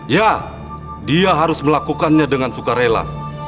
ya dia harus melakukannya dengan sukarela